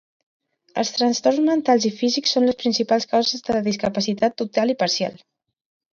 Els trastorns mentals i físics són les principals causes de discapacitat total i parcial.